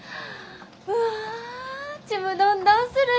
うわちむどんどんする！